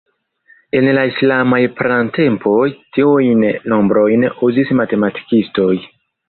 En la islamaj pratempoj, tiujn nombrojn uzis matematikistoj.